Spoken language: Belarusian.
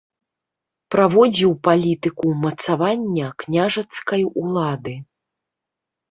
Праводзіў палітыку ўмацавання княжацкай улады.